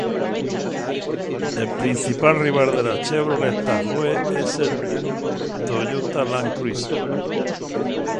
El principal rival de la Chevrolet Tahoe es el Toyota Land Cruiser.